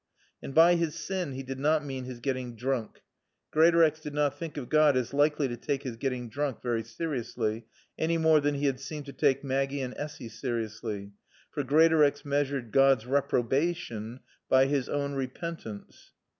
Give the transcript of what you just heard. And by his sin he did not mean his getting drunk. Greatorex did not think of God as likely to take his getting drunk very seriously, any more than he had seemed to take Maggie and Essy seriously. For Greatorex measured God's reprobation by his own repentance.